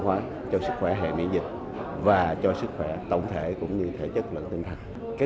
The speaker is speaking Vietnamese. hóa cho sức khỏe hệ miễn dịch và cho sức khỏe tổng thể cũng như thể chất lẫn tinh thần